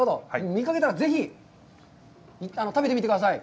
見かけたらぜひ食べてみてください。